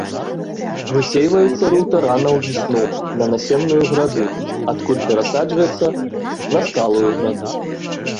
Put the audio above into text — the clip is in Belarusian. Высейваецца рута рана ўвесну на насенную граду, адкуль перасаджваецца на сталую граду.